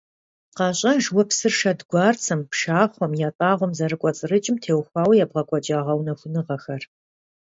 КъэщӀэж уэ псыр шэдгуарцэм, пшахъуэм, ятӀагъуэм зэрыкӀуэцӀрыкӀым теухуауэ ебгъэкӀуэкӀа гъэунэхуныгъэхэр.